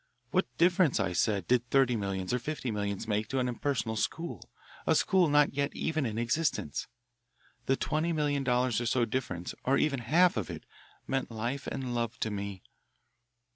What difference, I said, did thirty millions or fifty millions make to an impersonal school, a school not yet even in existence? The twenty million dollars or so difference, or even half of it, meant life and love to me.